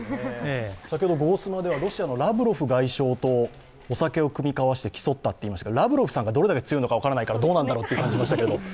先ほど「ゴゴスマ」ではロシアのラブロフ外相とお酒を酌み交わして競ったといいましたけどラブロフさんがどれだけ強いから分からないからどうなんだろうと思いましたけど。